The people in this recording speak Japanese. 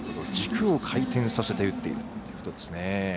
軸を回転させて打っているということですね。